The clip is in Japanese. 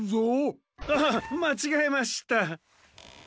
あまちがえました。